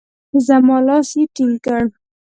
زما لاس يې ټينګ کړ.